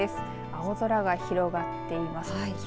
青空が広がっています。